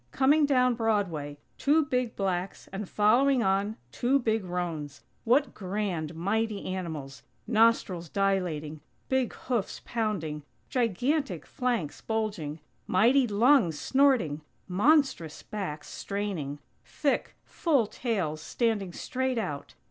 Coming down Broadway! Two big blacks, and following on, two big roans! What grand, mighty animals! Nostrils dilating; big hoofs pounding; gigantic flanks bulging; mighty lungs snorting; monstrous backs straining; thick, full tails standing straight out.